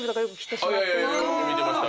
よく見てました。